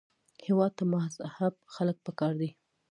هېواد ته مهذب خلک پکار دي